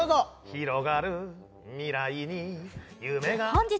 広がる未来に夢が本日＃